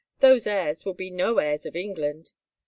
Those heirs will be no heirs of England